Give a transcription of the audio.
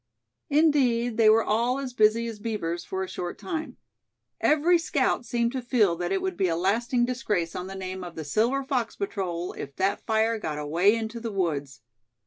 Indeed, they were all as busy as beavers for a short time. Every scout seemed to feel that it would be a lasting disgrace on the name of the Silver Fox Patrol if that fire got away into the woods.